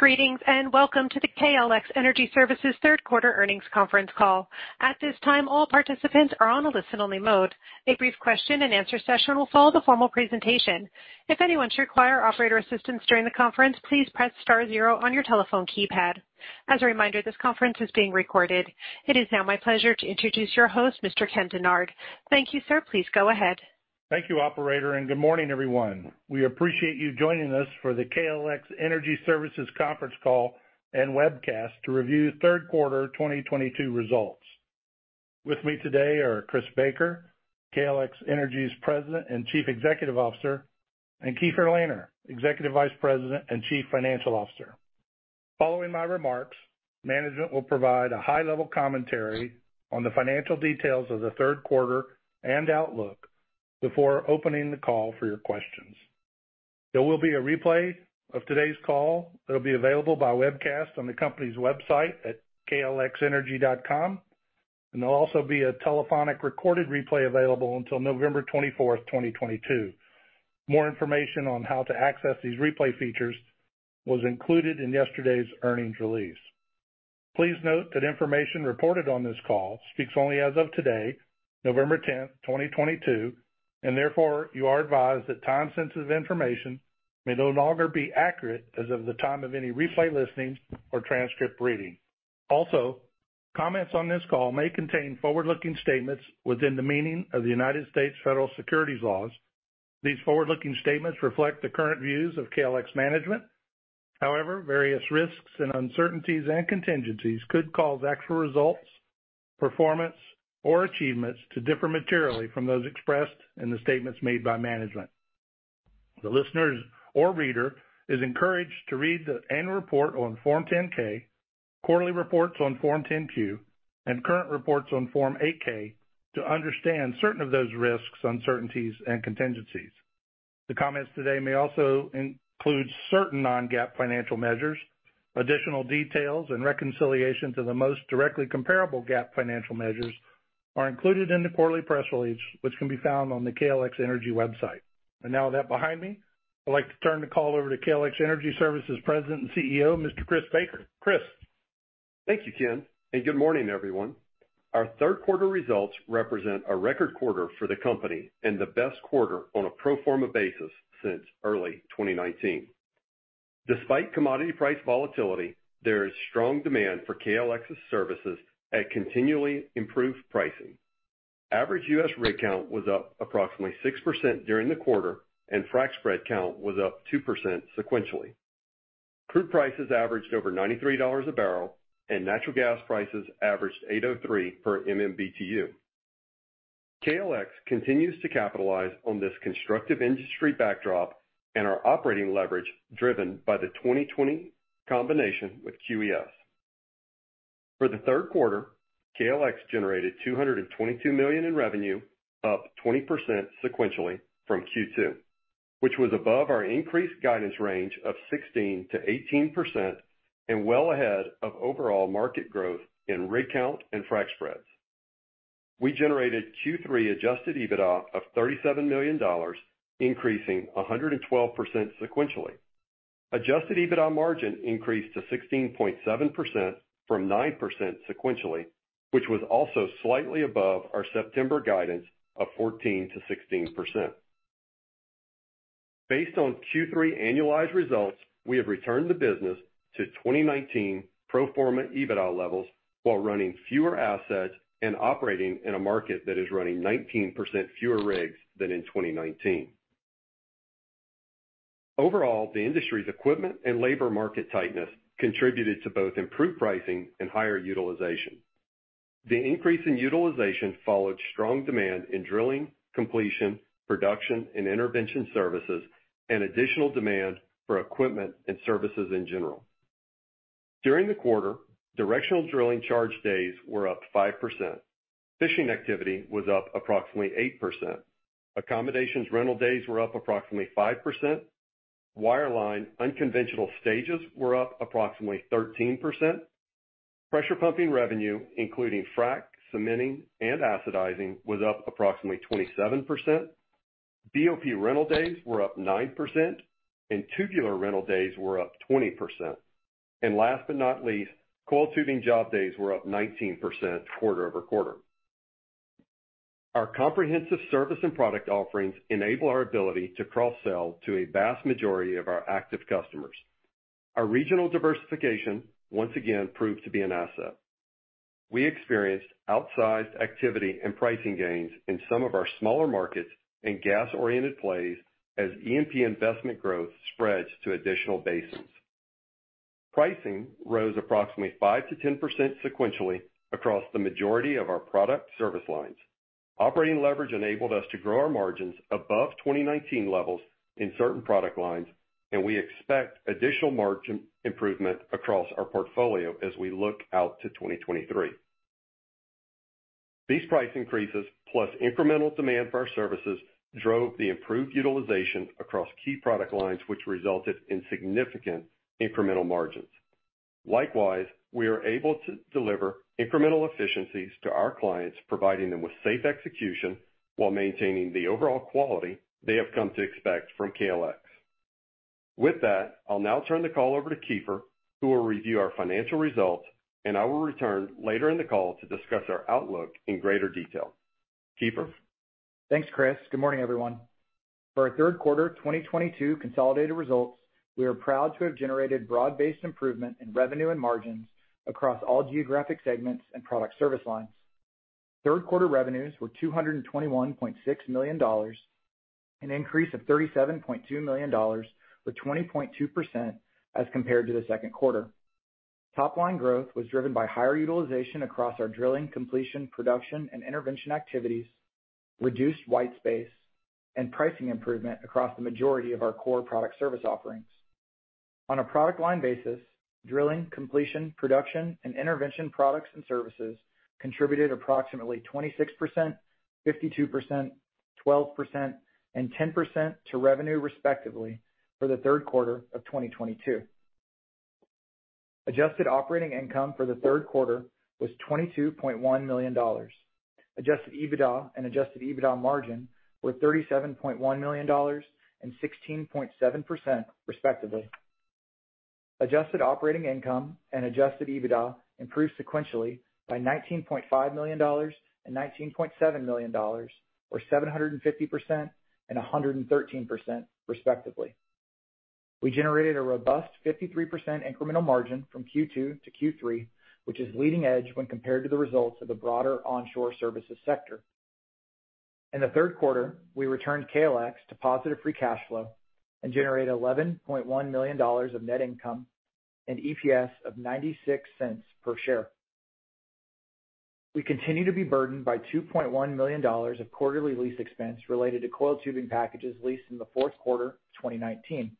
Greetings, and welcome to the KLX Energy Services Third Quarter Earnings Conference Call. At this time, all participants are on a listen-only mode. A brief question and answer session will follow the formal presentation. If anyone should require operator assistance during the conference, please press star zero on your telephone keypad. As a reminder, this conference is being recorded. It is now my pleasure to introduce your host, Mr. Ken Dennard. Thank you, sir. Please go ahead. Thank you, operator, and good morning, everyone. We appreciate you joining us for the KLX Energy Services Conference Call and Webcast to review Third Quarter 2022 Results. With me today are Chris Baker, KLX Energy's President and Chief Executive Officer, and Keefer Lehner, Executive Vice President and Chief Financial Officer. Following my remarks, management will provide a high-level commentary on the financial details of the third quarter and outlook before opening the call for your questions. There will be a replay of today's call that'll be available by webcast on the company's website at klxenergy.com. There'll also be a telephonic recorded replay available until 24 November 2022. More information on how to access these replay features was included in yesterday's earnings release. Please note that information reported on this call speaks only as of today, 10 November 2022, and therefore, you are advised that time-sensitive information may no longer be accurate as of the time of any replay listening or transcript reading. Also, comments on this call may contain forward-looking statements within the meaning of the United States federal securities laws. These forward-looking statements reflect the current views of KLX management. However, various risks and uncertainties and contingencies could cause actual results, performance, or achievements to differ materially from those expressed in the statements made by management. The listeners or reader is encouraged to read the annual report on Form 10-K, quarterly reports on Form 10-Q, and current reports on Form 8-K to understand certain of those risks, uncertainties, and contingencies. The comments today may also include certain non-GAAP financial measures. Additional details and reconciliation to the most directly comparable GAAP financial measures are included in the quarterly press release, which can be found on the KLX Energy website. Now with that behind me, I'd like to turn the call over to KLX Energy Services President and CEO, Mr. Chris Baker. Chris? Thank you, Ken, and good morning, everyone. Our third quarter results represent a record quarter for the company and the best quarter on a pro forma basis since early 2019. Despite commodity price volatility, there is strong demand for KLX's services at continually improved pricing. Average U.S. rig count was up approximately 6% during the quarter, and Frac Spread Count was up 2% sequentially. Crude prices averaged over $93 a barrel, and natural gas prices averaged 8.03 per MMBTU. KLX continues to capitalize on this constructive industry backdrop and our operating leverage driven by the 2020 combination with QES. For the third quarter, KLX generated $222 million in revenue, up 20% sequentially from Q2, which was above our increased guidance range of 16%-18% and well ahead of overall market growth in rig count and Frac Spreads. We generated Q3 adjusted EBITDA of $37 million, increasing 112% sequentially. Adjusted EBITDA margin increased to 16.7% from 9% sequentially, which was also slightly above our September guidance of 14%-16%. Based on Q3 annualized results, we have returned the business to 2019 pro forma EBITDA levels while running fewer assets and operating in a market that is running 19% fewer rigs than in 2019. Overall, the industry's equipment and labor market tightness contributed to both improved pricing and higher utilization. The increase in utilization followed strong demand in drilling, completion, production, and intervention services and additional demand for equipment and services in general. During the quarter, directional drilling charge days were up 5%. Fishing activity was up approximately 8%. Accommodations rental days were up approximately 5%. Wireline unconventional stages were up approximately 13%. Pressure pumping revenue, including frac, cementing, and acidizing, was up approximately 27%. BOP rental days were up 9%, and tubular rental days were up 20%. Last but not least, coiled tubing job days were up 19% quarter-over-quarter. Our comprehensive service and product offerings enable our ability to cross-sell to a vast majority of our active customers. Our regional diversification once again proved to be an asset. We experienced outsized activity and pricing gains in some of our smaller markets and gas-oriented plays as E&P investment growth spreads to additional basins. Pricing rose approximately 5%-10% sequentially across the majority of our product service lines. Operating leverage enabled us to grow our margins above 2019 levels in certain product lines, and we expect additional margin improvement across our portfolio as we look out to 2023. These price increases, plus incremental demand for our services, drove the improved utilization across key product lines, which resulted in significant incremental margin. Likewise, we are able to deliver incremental efficiencies to our clients, providing them with safe execution while maintaining the overall quality they have come to expect from KLX. With that, I'll now turn the call over to Keefer, who will review our financial results, and I will return later in the call to discuss our outlook in greater detail. Keefer? Thanks, Chris. Good morning, everyone. For our third quarter 2022 consolidated results, we are proud to have generated broad-based improvement in revenue and margins across all geographic segments and product service lines. Third quarter revenues were $221.6 million, an increase of $37.2 million, with 20.2% as compared to the second quarter. Top line growth was driven by higher utilization across our drilling, completion, production, and intervention activities, reduced white space, and pricing improvement across the majority of our core product service offerings. On a product line basis, drilling, completion, production, and intervention products and services contributed approximately 26%, 52%, 12%, and 10% to revenue, respectively, for the third quarter of 2022. Adjusted operating income for the third quarter was $22.1 million. Adjusted EBITDA and adjusted EBITDA margin were $37.1 million and 16.7%, respectively. Adjusted operating income and adjusted EBITDA improved sequentially by $19.5 million and $19.7 million or 750% and 113%, respectively. We generated a robust 53% incremental margin from Q2 to Q3, which is leading edge when compared to the results of the broader onshore services sector. In the third quarter, we returned KLX to positive free cash flow and generated $11.1 million of net income and EPS of $0.96 per share. We continue to be burdened by $2.1 million of quarterly lease expense related to coiled tubing packages leased in the fourth quarter of 2019.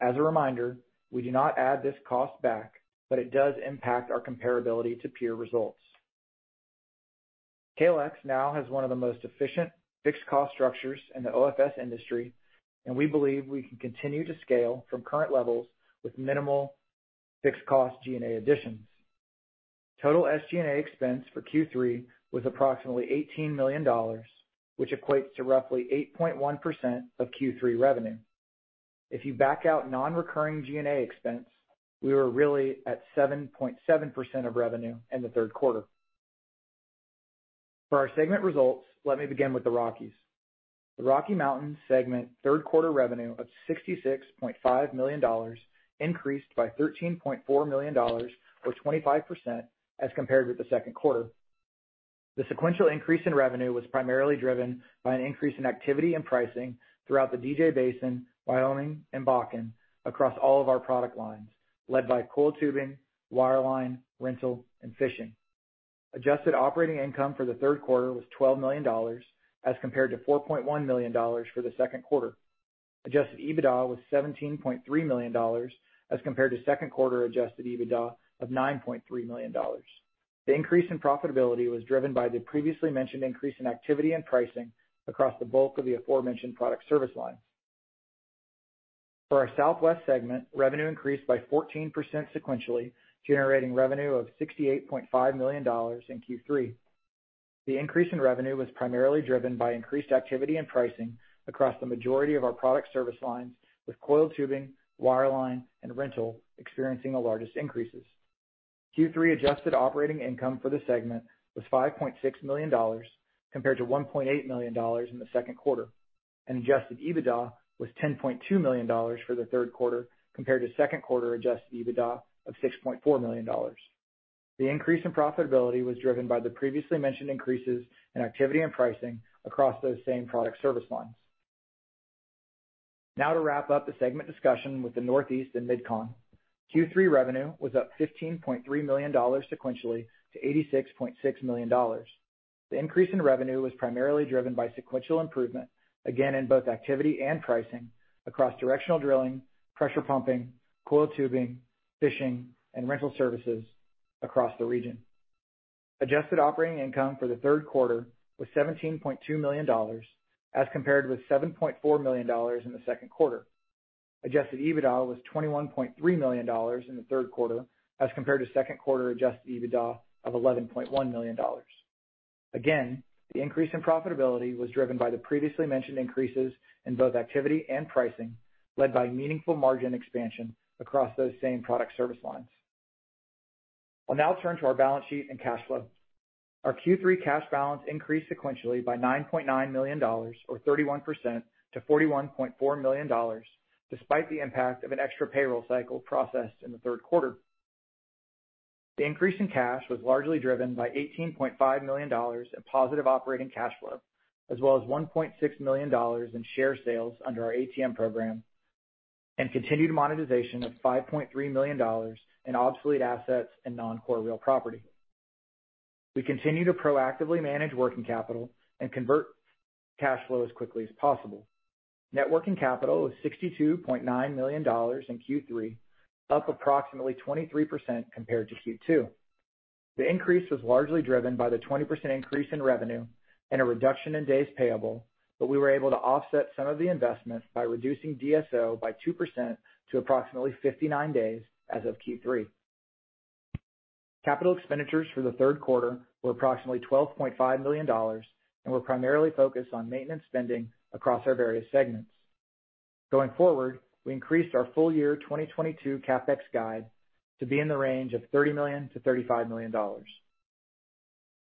As a reminder, we do not add this cost back, but it does impact our comparability to peer results. KLX now has one of the most efficient fixed cost structures in the OFS industry, and we believe we can continue to scale from current levels with minimal fixed cost G&A additions. Total SG&A expense for Q3 was approximately $18 million, which equates to roughly 8.1% of Q3 revenue. If you back out non-recurring G&A expense, we were really at 7.7% of revenue in the third quarter. For our segment results, let me begin with the Rockies. The Rocky Mountain segment third quarter revenue of $66.5 million increased by $13.4 million or 25% as compared with the second quarter. The sequential increase in revenue was primarily driven by an increase in activity and pricing throughout the DJ Basin, Wyoming, and Bakken across all of our product lines, led by coiled tubing, wireline, rental, and fishing. Adjusted operating income for the third quarter was $12 million as compared to $4.1 million for the second quarter. Adjusted EBITDA was $17.3 million as compared to second quarter adjusted EBITDA of $9.3 million. The increase in profitability was driven by the previously mentioned increase in activity and pricing across the bulk of the aforementioned product service lines. For our Southwest segment, revenue increased by 14% sequentially, generating revenue of $68.5 million in Q3. The increase in revenue was primarily driven by increased activity and pricing across the majority of our product service lines, with coiled tubing, wireline, and rental experiencing the largest increases. Q3 adjusted operating income for the segment was $5.6 million compared to $1.8 million in the second quarter, and adjusted EBITDA was $10.2 million for the third quarter compared to second quarter adjusted EBITDA of $6.4 million. The increase in profitability was driven by the previously mentioned increases in activity and pricing across those same product service lines. Now to wrap up the segment discussion with the Northeast and Mid-Con. Q3 revenue was up $15.3 million sequentially to $86.6 million. The increase in revenue was primarily driven by sequential improvement, again in both activity and pricing across directional drilling, pressure pumping, coiled tubing, fishing, and rental services across the region. Adjusted operating income for the third quarter was $17.2 million as compared with $7.4 million in the second quarter. Adjusted EBITDA was $21.3 million in the third quarter as compared to second quarter adjusted EBITDA of $11.1 million. Again, the increase in profitability was driven by the previously mentioned increases in both activity and pricing, led by meaningful margin expansion across those same product service lines. I'll now turn to our balance sheet and cash flow. Our Q3 cash balance increased sequentially by $9.9 million or 31% to $41.4 million, despite the impact of an extra payroll cycle processed in the third quarter. The increase in cash was largely driven by $18.5 million in positive operating cash flow, as well as $1.6 million in share sales under our ATM program and continued monetization of $5.3 million in obsolete assets and non-core real property. We continue to proactively manage working capital and convert cash flow as quickly as possible. Net working capital was $62.9 million in Q3, up approximately 23% compared to Q2. The increase was largely driven by the 20% increase in revenue and a reduction in days payable, but we were able to offset some of the investments by reducing DSO by 2% to approximately 59 days as of Q3. Capital expenditures for the third quarter were approximately $12.5 million, and were primarily focused on maintenance spending across our various segments. Going forward, we increased our full-year 2022 CapEx guide to be in the range of $30 million-$35 million.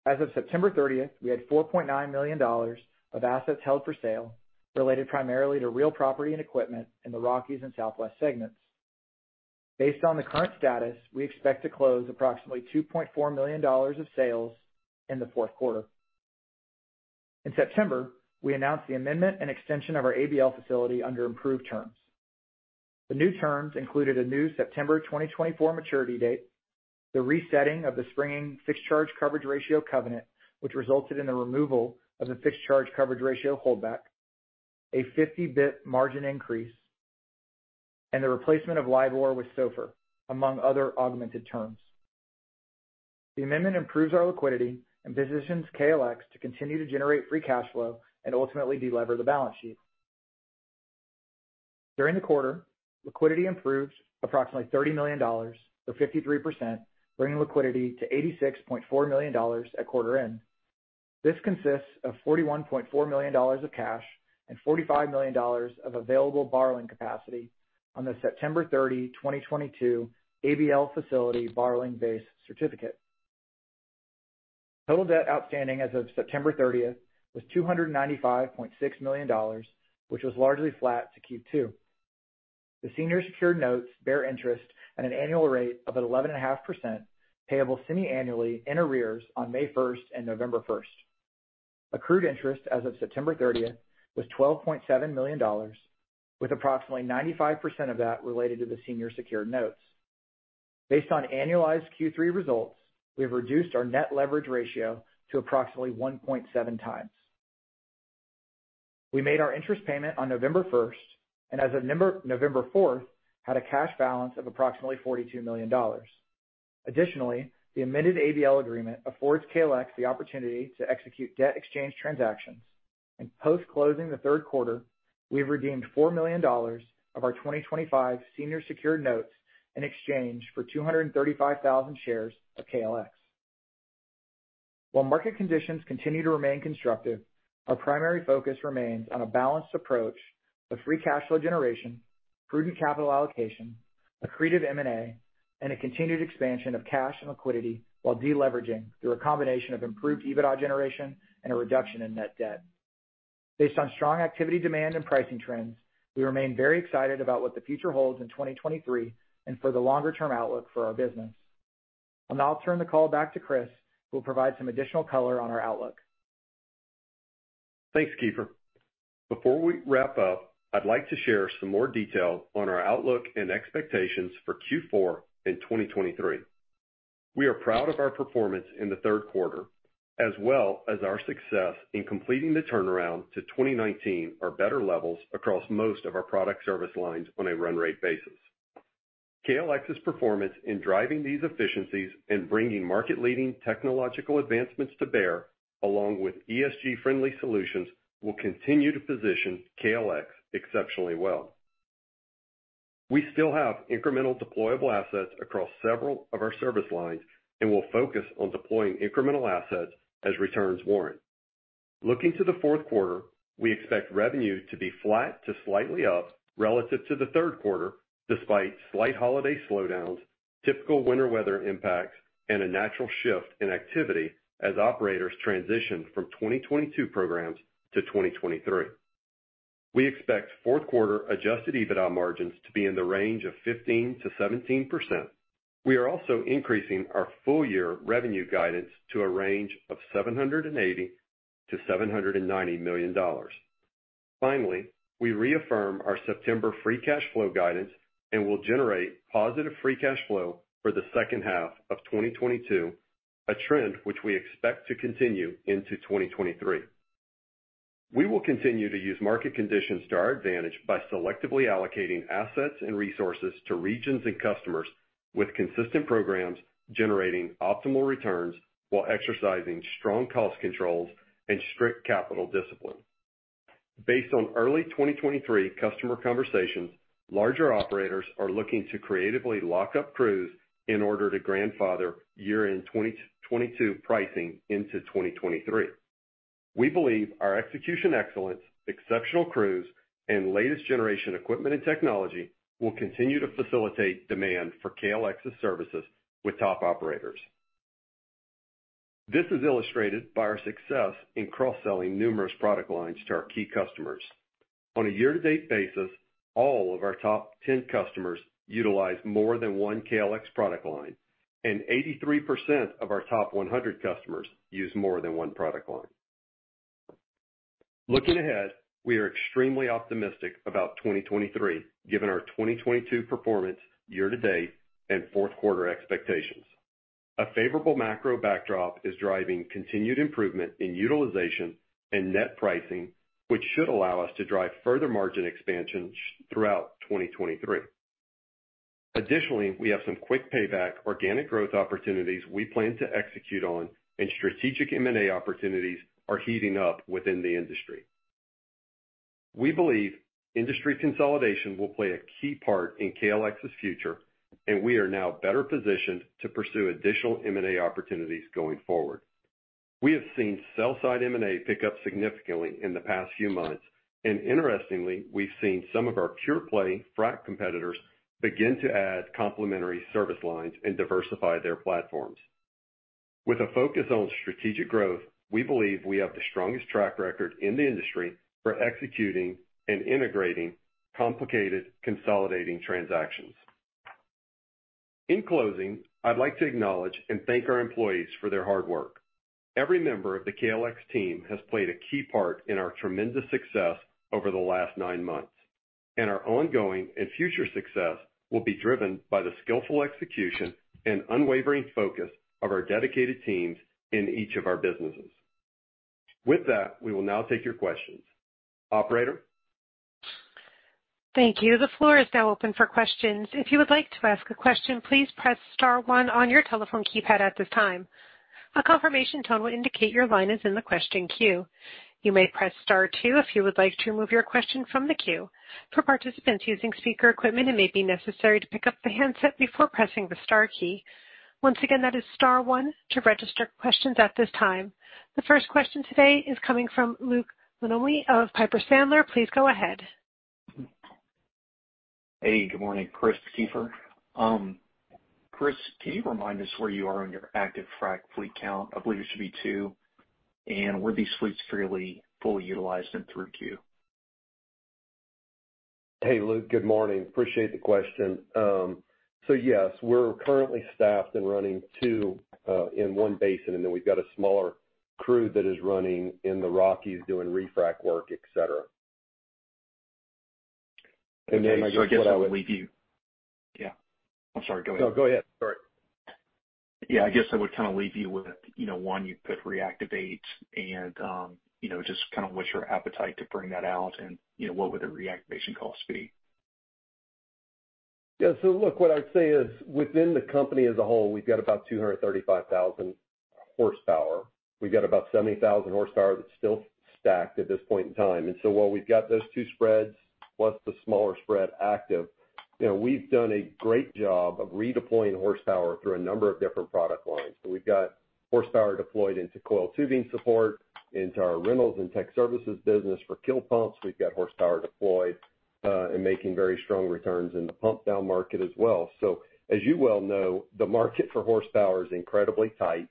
As of 30 September, we had $4.9 million of assets held for sale, related primarily to real property and equipment in the Rockies and Southwest segments. Based on the current status, we expect to close approximately $2.4 million of sales in the fourth quarter. In September, we announced the amendment and extension of our ABL facility under improved terms. The new terms included a new September 2024 maturity date, the resetting of the springing fixed charge coverage ratio covenant, which resulted in the removal of the fixed charge coverage ratio holdback, a 50 basis point margin increase, and the replacement of LIBOR with SOFR, among other augmented terms. The amendment improves our liquidity and positions KLX to continue to generate free cash flow and ultimately delever the balance sheet. During the quarter, liquidity improved approximately $30 million, or 53%, bringing liquidity to $86.4 million at quarter end. This consists of $41.4 million of cash and $45 million of available borrowing capacity on the September 30, 2022 ABL facility borrowing base certificate. Total debt outstanding as of September 30th was $295.6 million, which was largely flat to Q2. The senior secured notes bear interest at an annual rate of 11.5%, payable semiannually in arrears on 1 May and 1 November. Accrued interest as of 30 September was $12.7 million, with approximately 95% of that related to the senior secured notes. Based on annualized Q3 results, we have reduced our net leverage ratio to approximately 1.7 times. We made our interest payment on 1 November, and as of 4 November, had a cash balance of approximately $42 million. Additionally, the amended ABL agreement affords KLX the opportunity to execute debt exchange transactions. Post-closing the third quarter, we've redeemed $4 million of our 2025 senior secured notes in exchange for 235,000 shares of KLX. While market conditions continue to remain constructive, our primary focus remains on a balanced approach to free cash flow generation, prudent capital allocation, accretive M&A, and a continued expansion of cash and liquidity while deleveraging through a combination of improved EBITDA generation and a reduction in net debt. Based on strong activity demand and pricing trends, we remain very excited about what the future holds in 2023 and for the longer-term outlook for our business. I'll now turn the call back to Chris, who will provide some additional color on our outlook. Thanks, Keefer. Before we wrap up, I'd like to share some more detail on our outlook and expectations for Q4 in 2023. We are proud of our performance in the third quarter, as well as our success in completing the turnaround to 2019 or better levels across most of our product service lines on a run rate basis. KLX's performance in driving these efficiencies and bringing market-leading technological advancements to bear, along with ESG-friendly solutions, will continue to position KLX exceptionally well. We still have incremental deployable assets across several of our service lines and will focus on deploying incremental assets as returns warrant. Looking to the fourth quarter, we expect revenue to be flat to slightly up relative to the third quarter, despite slight holiday slowdowns, typical winter weather impacts, and a natural shift in activity as operators transition from 2022 programs to 2023. We expect fourth quarter adjusted EBITDA margins to be in the range of 15%-17%. We are also increasing our full year revenue guidance to a range of $780 million-$790 million. Finally, we reaffirm our September free cash flow guidance and will generate positive free cash flow for the second half of 2022, a trend which we expect to continue into 2023. We will continue to use market conditions to our advantage by selectively allocating assets and resources to regions and customers with consistent programs generating optimal returns while exercising strong cost controls and strict capital discipline. Based on early 2023 customer conversations, larger operators are looking to creatively lock up crews in order to grandfather year-end 2022 pricing into 2023. We believe our execution excellence, exceptional crews, and latest generation equipment and technology will continue to facilitate demand for KLX's services with top operators. This is illustrated by our success in cross-selling numerous product lines to our key customers. On a year-to-date basis, all of our top 10 customers utilize more than one KLX product line, and 83% of our top 100 customers use more than one product line. Looking ahead, we are extremely optimistic about 2023, given our 2022 performance year to date and fourth quarter expectations. A favorable macro backdrop is driving continued improvement in utilization and net pricing, which should allow us to drive further margin expansion throughout 2023. Additionally, we have some quick payback organic growth opportunities we plan to execute on, and strategic M&A opportunities are heating up within the industry. We believe industry consolidation will play a key part in KLX's future, and we are now better positioned to pursue additional M&A opportunities going forward. We have seen sell-side M&A pick up significantly in the past few months, and interestingly, we've seen some of our pure-play frac competitors begin to add complementary service lines and diversify their platforms. With a focus on strategic growth, we believe we have the strongest track record in the industry for executing and integrating complicated consolidating transactions. In closing, I'd like to acknowledge and thank our employees for their hard work. Every member of the KLX team has played a key part in our tremendous success over the last nine months, and our ongoing and future success will be driven by the skillful execution and unwavering focus of our dedicated teams in each of our businesses. With that, we will now take your questions. Operator? Thank you. The floor is now open for questions. If you would like to ask a question, please press star one on your telephone keypad at this time. A confirmation tone will indicate your line is in the question queue. You may press star two if you would like to remove your question from the queue. For participants using speaker equipment, it may be necessary to pick up the handset before pressing the star key. Once again, that is star one to register questions at this time. The first question today is coming from Luke Lemoine of Piper Sandler. Please go ahead. Hey, good morning. Chris, Keefer. Chris, can you remind us where you are on your active frac fleet count? I believe it should be two. Were these fleets fairly fully utilized and through Q? Hey, Luke. Good morning. Appreciate the question. Yes, we're currently staffed and running two in one basin, and then we've got a smaller crew that is running in the Rockies doing refrac work, et cetera. I guess what I would- I guess I would leave you. Yeah. I'm sorry. Go ahead. No, go ahead. Sorry. Yeah, I guess I would kinda leave you with, you know, one you could reactivate and, you know, just kinda what's your appetite to bring that out and, you know, what would the reactivation costs be? Yeah, look, what I'd say is, within the company as a whole, we've got about 235,000 horsepower. We've got about 70,000 horsepower that's still stacked at this point in time. While we've got those two spreads plus the smaller spread active, you know, we've done a great job of redeploying horsepower through a number of different product lines. We've got horsepower deployed into coiled tubing support, into our rentals and tech services business for kill pumps. We've got horsepower deployed and making very strong returns in the pump down market as well. As you well know, the market for horsepower is incredibly tight.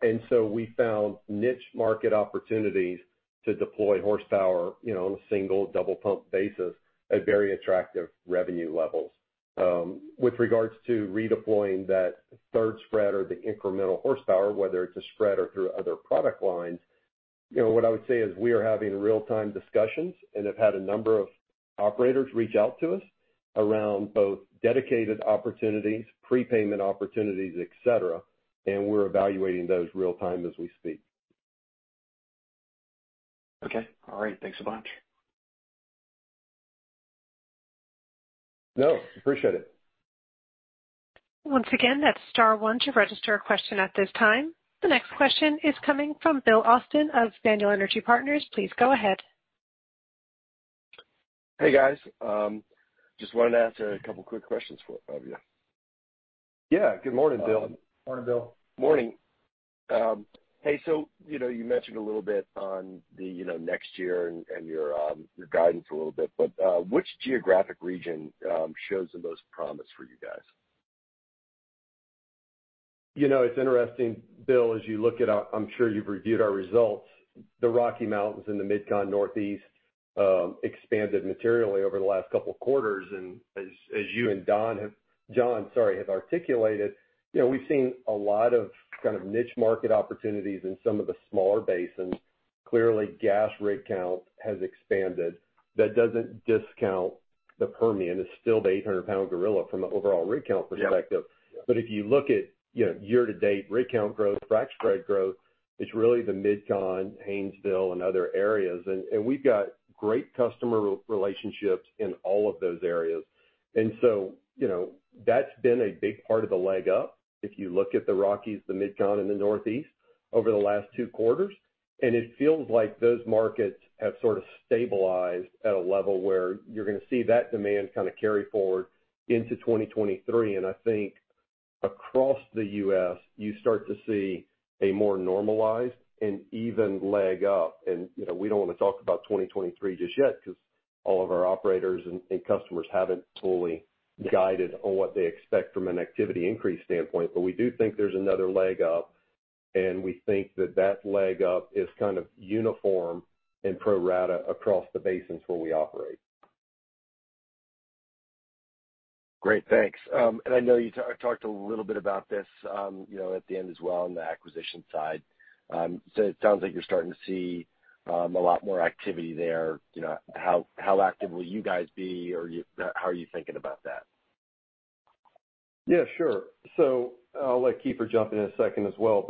We found niche market opportunities to deploy horsepower, you know, on a single, double pump basis at very attractive revenue levels. With regards to redeploying that third spread or the incremental horsepower, whether it's a spread or through other product lines, you know, what I would say is we are having real-time discussions and have had a number of operators reach out to us around both dedicated opportunities, prepayment opportunities, et cetera, and we're evaluating those real time as we speak. Okay. All right. Thanks a bunch. No, appreciate it. Once again, that's star one to register a question at this time. The next question is coming from Bill Austin of Daniel Energy Partners. Please go ahead. Hey, guys. Just wanted to ask a couple quick questions of you. Yeah. Good morning, Bill. Morning, Bill. Morning. Hey, you know, you mentioned a little bit on the, you know, next year and your guidance a little bit, but which geographic region shows the most promise for you guys? You know, it's interesting, Bill. I'm sure you've reviewed our results. The Rocky Mountains and the MidCon Northeast expanded materially over the last couple quarters. As you and John, sorry, have articulated, you know, we've seen a lot of kind of niche market opportunities in some of the smaller basins. Clearly, gas rig count has expanded. That doesn't discount the Permian. It's still the 800-pound gorilla from an overall rig count perspective. Yeah. If you look at, you know, year to date rig count growth, Frac Spread growth, it's really the MidCon, Haynesville, and other areas. We've got great customer relationships in all of those areas. You know, that's been a big part of the leg up, if you look at the Rockies, the MidCon, and the Northeast over the last two quarters. It feels like those markets have sort of stabilized at a level where you're gonna see that demand kinda carry forward into 2023. I think across the U.S., you start to see a more normalized and even leg up. You know, we don't wanna talk about 2023 just yet, 'cause all of our operators and customers haven't fully guided on what they expect from an activity increase standpoint. We do think there's another leg up, and we think that leg up is kind of uniform and pro rata across the basins where we operate. Great. Thanks. I know you talked a little bit about this, you know, at the end as well on the acquisition side. It sounds like you're starting to see a lot more activity there. You know, how active will you guys be or how are you thinking about that? Yeah, sure. I'll let Keefer jump in a second as well.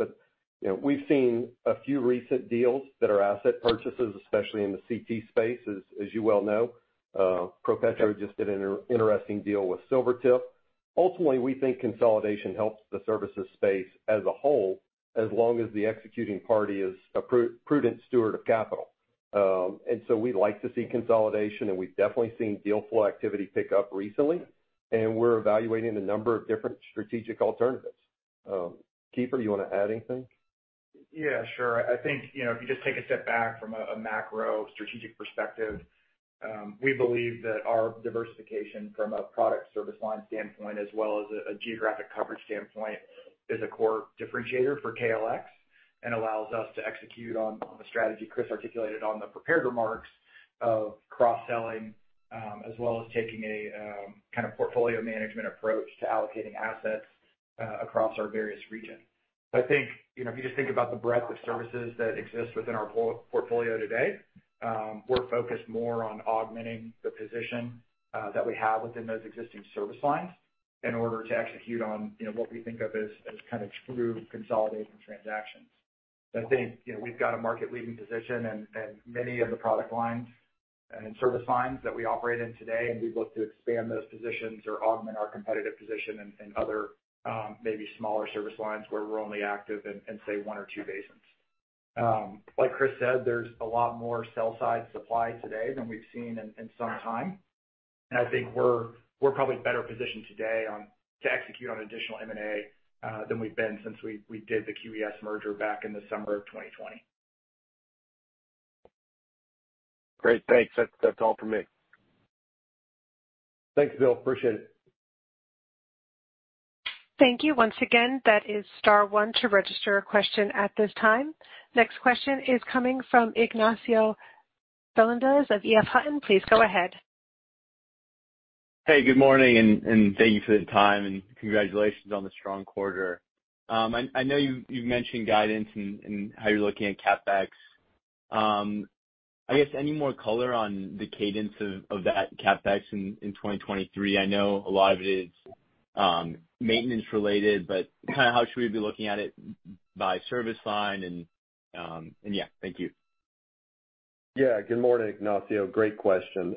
You know, we've seen a few recent deals that are asset purchases, especially in the CT space, as you well know. ProPetro just did an interesting deal with Silvertip. Ultimately, we think consolidation helps the services space as a whole, as long as the executing party is a prudent steward of capital. We like to see consolidation, and we've definitely seen deal flow activity pick up recently, and we're evaluating a number of different strategic alternatives. Keefer, you wanna add anything? Yeah, sure. I think, you know, if you just take a step back from a macro strategic perspective, we believe that our diversification from a product service line standpoint as well as a geographic coverage standpoint is a core differentiator for KLX and allows us to execute on the strategy Chris articulated on the prepared remarks of cross-selling, as well as taking a kind of portfolio management approach to allocating assets across our various regions. I think, you know, if you just think about the breadth of services that exist within our portfolio today, we're focused more on augmenting the position that we have within those existing service lines in order to execute on what we think of as kind of true consolidation transactions. I think, you know, we've got a market-leading position in many of the product lines and service lines that we operate in today, and we look to expand those positions or augment our competitive position in other, maybe smaller service lines where we're only active in, say, one or two basins. Like Chris said, there's a lot more sell side supply today than we've seen in some time. I think we're probably better positioned today on to execute on additional M&A than we've been since we did the QES merger back in December of 2020. Great. Thanks. That's all for me. Thanks, Bill. Appreciate it. Thank you. Once again, that is star one to register a question at this time. Next question is coming from Ignacio Bernaldez of EF Hutton. Please go ahead. Hey, good morning, and thank you for the time, and congratulations on the strong quarter. I know you've mentioned guidance and how you're looking at CapEx. I guess any more color on the cadence of that CapEx in 2023? I know a lot of it is maintenance related, but kinda how should we be looking at it by service line and yeah. Thank you. Yeah. Good morning, Ignacio. Great question.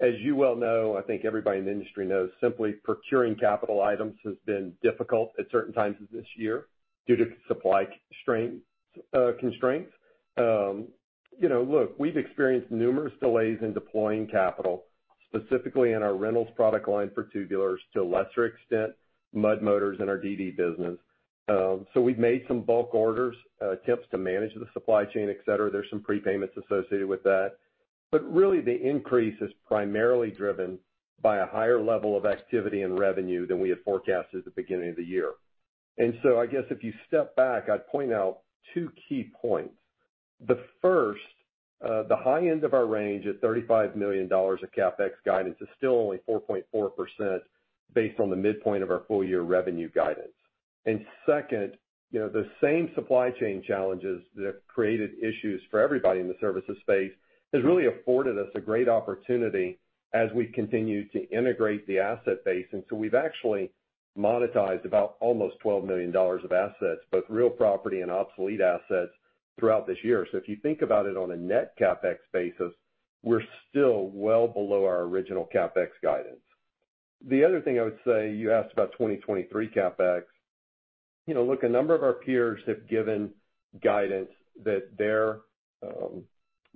As you well know, I think everybody in the industry knows, simply procuring capital items has been difficult at certain times of this year due to supply chain constraints. You know, look, we've experienced numerous delays in deploying capital, specifically in our rentals product line for tubulars, to a lesser extent, mud motors in our DD business. So we've made some bulk order attempts to manage the supply chain, et cetera. There's some prepayments associated with that. But really the increase is primarily driven by a higher level of activity and revenue than we had forecasted at the beginning of the year. I guess if you step back, I'd point out two key points. The first, the high end of our range at $35 million of CapEx guidance is still only 4.4% based on the midpoint of our full year revenue guidance. Second, you know, the same supply chain challenges that created issues for everybody in the services space has really afforded us a great opportunity as we continue to integrate the asset base. We've actually monetized about almost $12 million of assets, both real property and obsolete assets, throughout this year. If you think about it on a net CapEx basis, we're still well below our original CapEx guidance. The other thing I would say, you asked about 2023 CapEx. You know, look, a number of our peers have given guidance that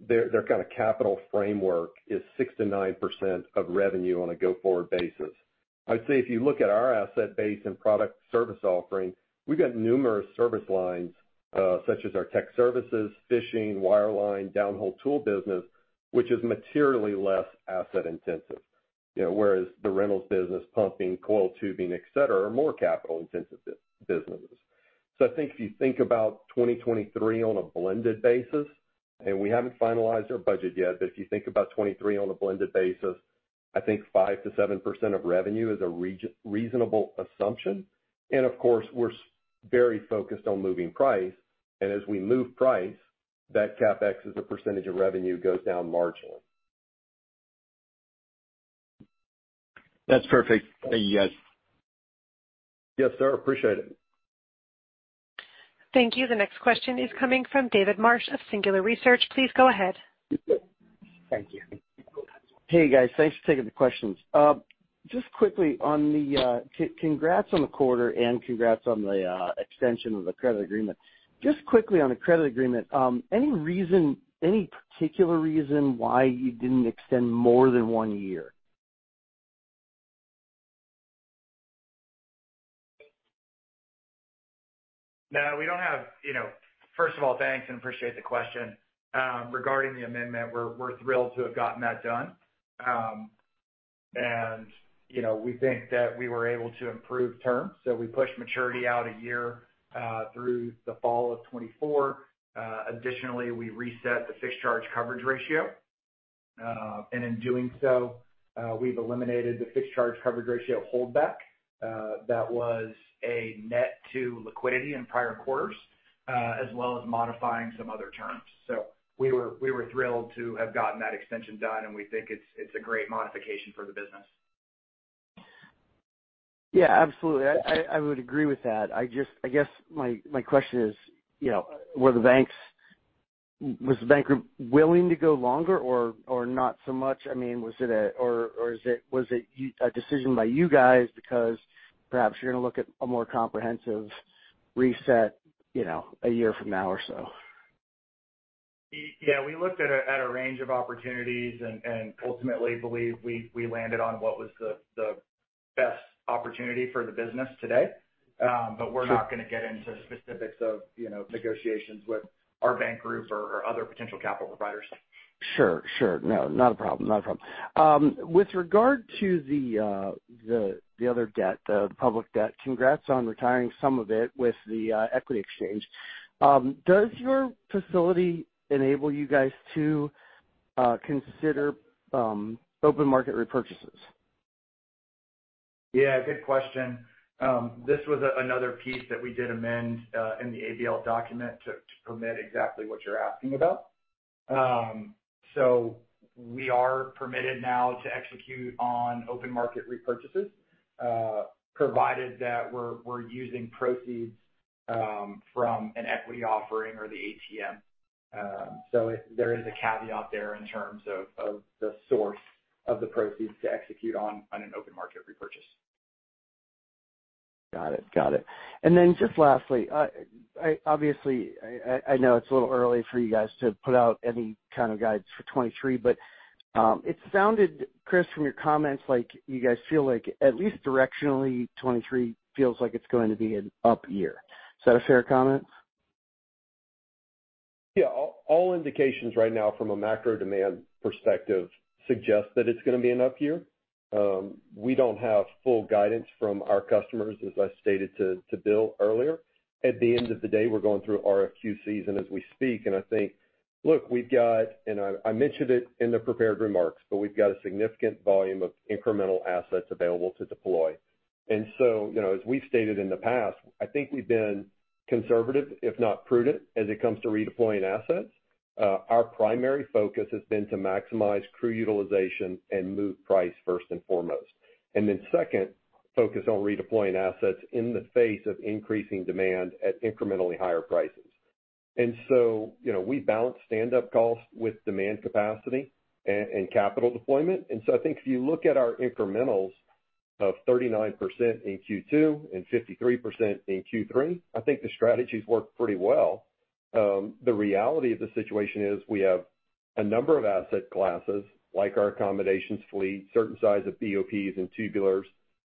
their kind of capital framework is 6%-9% of revenue on a go-forward basis. I'd say if you look at our asset base and product service offering, we've got numerous service lines, such as our tech services, fishing, wireline, downhole tool business, which is materially less asset intensive. You know, whereas the rentals business, pumping, coiled tubing, et cetera, are more capital intensive businesses. I think if you think about 2023 on a blended basis, and we haven't finalized our budget yet, but if you think about 2023 on a blended basis, I think 5%-7% of revenue is a reasonable assumption. Of course, we're very focused on moving price. As we move price, that CapEx as a percentage of revenue goes down marginally. That's perfect. Thank you, guys. Yes, sir. Appreciate it. Thank you. The next question is coming from David Marsh of Singular Research. Please go ahead. You bet. Thank you. You bet. Hey, guys. Thanks for taking the questions. Just quickly, congrats on the quarter, and congrats on the extension of the credit agreement. Just quickly on the credit agreement, any reason, any particular reason why you didn't extend more than one year? No, we don't have. You know, first of all, thanks and appreciate the question. Regarding the amendment, we're thrilled to have gotten that done. You know, we think that we were able to improve terms. We pushed maturity out a year, through the fall of 2024. Additionally, we reset the fixed charge coverage ratio. In doing so, we've eliminated the fixed charge coverage ratio holdback that was a net to liquidity in prior quarters, as well as modifying some other terms. We were thrilled to have gotten that extension done, and we think it's a great modification for the business. Yeah, absolutely. I would agree with that. I guess my question is, you know, was the bank group willing to go longer or not so much? I mean, was it a decision by you guys because perhaps you're gonna look at a more comprehensive reset, you know, a year from now or so? Yeah. We looked at a range of opportunities and ultimately believe we landed on what was the best opportunity for the business today. We're- Sure Not gonna get into specifics of, you know, negotiations with our bank group or other potential capital providers. Sure. No, not a problem. With regard to the other debt, the public debt, congrats on retiring some of it with the equity exchange. Does your facility enable you guys to consider open market repurchases? Yeah, good question. This was another piece that we did amend in the ABL document to permit exactly what you're asking about. We are permitted now to execute on open market repurchases, provided that we're using proceeds from an equity offering or the ATM. There is a caveat there in terms of the source of the proceeds to execute on an open market repurchase. Got it. Then just lastly, I obviously know it's a little early for you guys to put out any kind of guides for 2023, but it sounded, Chris, from your comments like you guys feel like at least directionally, 2023 feels like it's going to be an up year. Is that a fair comment? Yeah. All indications right now from a macro demand perspective suggest that it's gonna be an up year. We don't have full guidance from our customers, as I stated to Bill earlier. At the end of the day, we're going through RFQ season as we speak, and I think. Look, we've got, and I mentioned it in the prepared remarks, but we've got a significant volume of incremental assets available to deploy. You know, as we've stated in the past, I think we've been conservative, if not prudent, as it comes to redeploying assets. Our primary focus has been to maximize crew utilization and move price first and foremost. Second, focus on redeploying assets in the face of increasing demand at incrementally higher prices. You know, we balance stand up costs with demand capacity and capital deployment. I think if you look at our incrementals of 39% in Q2 and 53% in Q3, I think the strategies work pretty well. The reality of the situation is we have a number of asset classes, like our accommodations fleet, certain size of BOPs and tubulars,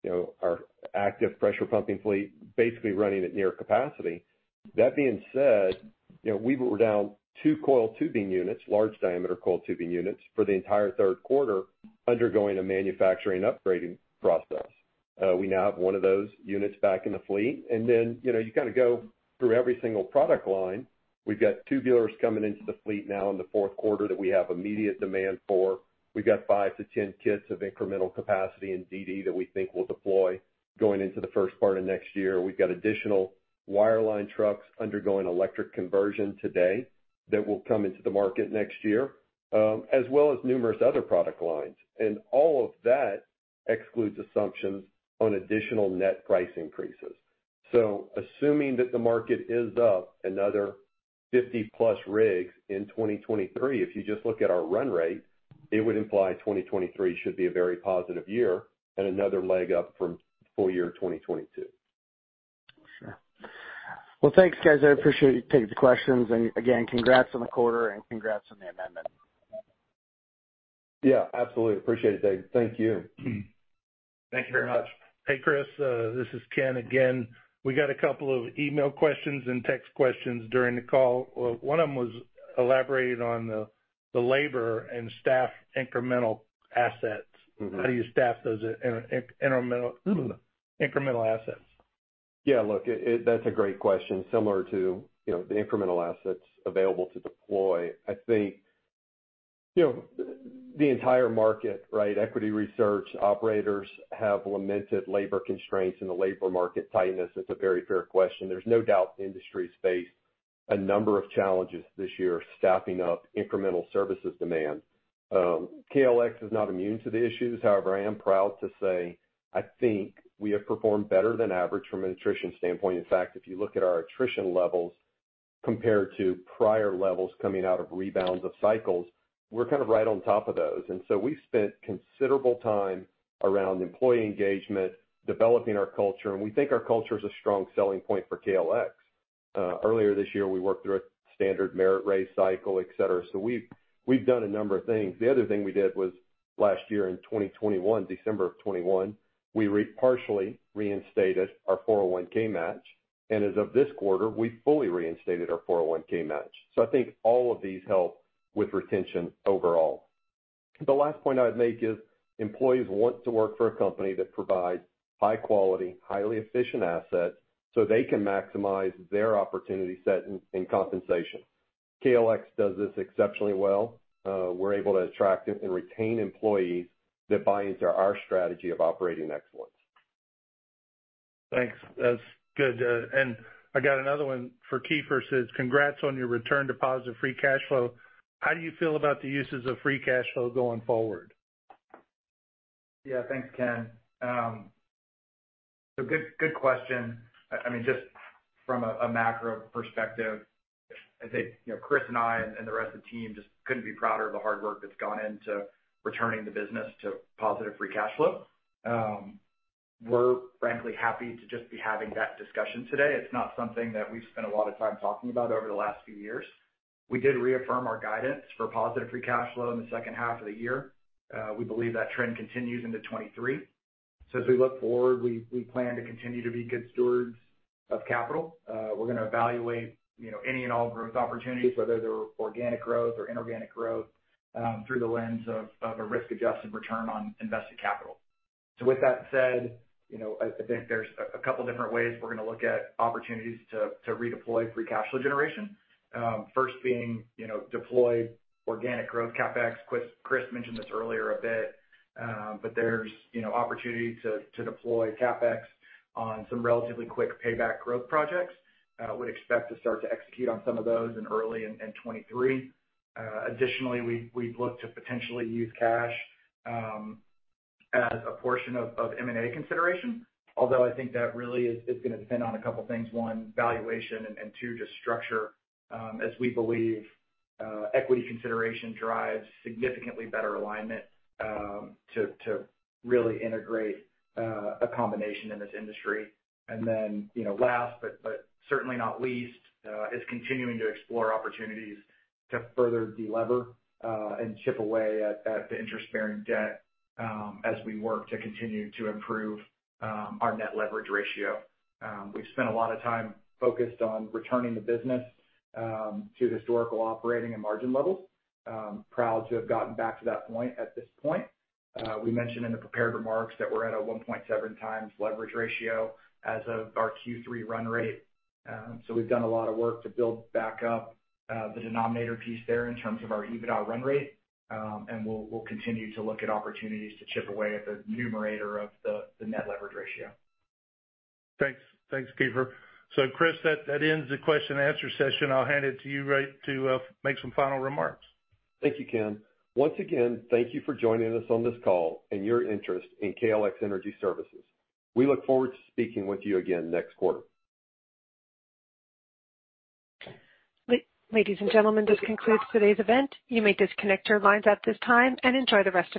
you know, our active pressure pumping fleet, basically running at near capacity. That being said, you know, we were down two coiled tubing units, large diameter coiled tubing units for the entire third quarter, undergoing a manufacturing upgrading process. We now have one of those units back in the fleet. You know, you kind of go through every single product line. We've got tubulars coming into the fleet now in the fourth quarter that we have immediate demand for. We've got five to 10 kits of incremental capacity in DD that we think will deploy going into the first part of next year. We've got additional wireline trucks undergoing electric conversion today that will come into the market next year, as well as numerous other product lines. All of that excludes assumptions on additional net price increases. Assuming that the market is up another 50+ rigs in 2023, if you just look at our run rate, it would imply 2023 should be a very positive year and another leg up from full-year 2022. Sure. Well, thanks, guys. I appreciate you taking the questions. Again, congrats on the quarter and congrats on the amendment. Yeah, absolutely. Appreciate it, Dave. Thank you. Thank you very much. Hey, Chris, this is Ken again. We got a couple of email questions and text questions during the call. One of them was elaborating on the labor and staff incremental assets. Mm-hmm. How do you staff those incremental assets? Yeah, look, that's a great question. Similar to, you know, the incremental assets available to deploy. I think, you know, the entire market, right, equity research, operators have lamented labor constraints and the labor market tightness. It's a very fair question. There's no doubt industries face a number of challenges this year, staffing up incremental services demand. KLX is not immune to the issues. However, I am proud to say I think we have performed better than average from an attrition standpoint. In fact, if you look at our attrition levels compared to prior levels coming out of rebounds of cycles, we're kind of right on top of those. We've spent considerable time around employee engagement, developing our culture, and we think our culture is a strong selling point for KLX. Earlier this year, we worked through a standard merit raise cycle, et cetera. We've done a number of things. The other thing we did was last year in 2021, December of 2021, we partially reinstated our 401(k) match. As of this quarter, we fully reinstated our 401(k) match. I think all of these help with retention overall. The last point I would make is employees want to work for a company that provides high quality, highly efficient assets so they can maximize their opportunity set and compensation. KLX does this exceptionally well. We're able to attract and retain employees that buy into our strategy of operating excellence. Thanks. That's good. I got another one for Keefer. Says, "Congrats on your return to positive free cash flow. How do you feel about the uses of free cash flow going forward?" Yeah. Thanks, Ken. Good question. I mean, just from a macro perspective, I'd say, you know, Chris and I and the rest of the team just couldn't be prouder of the hard work that's gone into returning the business to positive free cash flow. We're frankly happy to just be having that discussion today. It's not something that we've spent a lot of time talking about over the last few years. We did reaffirm our guidance for positive free cash flow in the second half of the year. We believe that trend continues into 2023. As we look forward, we plan to continue to be good stewards of capital. We're gonna evaluate, you know, any and all growth opportunities, whether they're organic growth or inorganic growth, through the lens of a risk-adjusted return on invested capital. With that said, you know, I think there's a couple different ways we're gonna look at opportunities to redeploy free cash flow generation. First being, you know, deploy organic growth CapEx. Chris mentioned this earlier a bit, but there's, you know, opportunity to deploy CapEx on some relatively quick payback growth projects. Would expect to start to execute on some of those in early 2023. Additionally, we'd look to potentially use cash as a portion of M&A consideration, although I think that really is gonna depend on a couple things. One, valuation, and two, just structure, as we believe equity consideration drives significantly better alignment to really integrate a combination in this industry. You know, last but certainly not least, is continuing to explore opportunities to further de-lever, and chip away at the interest-bearing debt, as we work to continue to improve our net leverage ratio. We've spent a lot of time focused on returning the business to historical operating and margin levels. Proud to have gotten back to that point at this point. We mentioned in the prepared remarks that we're at a 1.7x leverage ratio as of our Q3 run rate. So we've done a lot of work to build back up the denominator piece there in terms of our EBITDA run rate, and we'll continue to look at opportunities to chip away at the numerator of the net leverage ratio. Thanks. Thanks, Keefer. Chris, that ends the question and answer session. I'll hand it right to you to make some final remarks. Thank you, Ken. Once again, thank you for joining us on this call and your interest in KLX Energy Services. We look forward to speaking with you again next quarter. Ladies and gentlemen, this concludes today's event. You may disconnect your lines at this time and enjoy the rest of your day.